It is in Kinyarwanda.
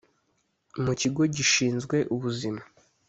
mu kigo gishinzwe ubuzima